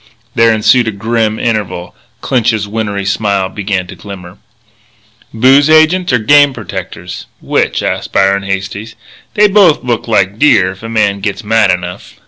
There ensued a grim interval. Clinch's wintry smile began to glimmer. "Booze agents or game protectors? Which?" asked Byron Hastings. "They both look like deer if a man gits mad enough."